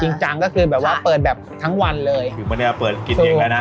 ถึงตอนเนี้ยเปิดกินเองแล้วนะ